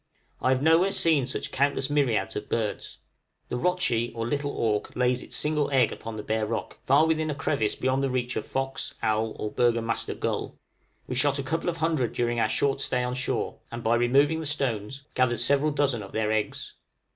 I have nowhere seen such countless myriads of birds. The rotchie, or little auk, lays its single egg upon the bare rock, far within a crevice beyond the reach of fox, owl, or burgomaster gull. We shot a couple of hundred during our short stay on shore, and, by removing the stones, gathered several dozen of their eggs.